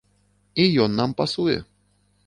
І ён нам пасуе.